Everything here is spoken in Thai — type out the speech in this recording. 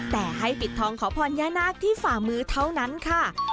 แต่ให้ปิดทองขอพรย่านาคที่ฝ่ามือเท่านั้นค่ะ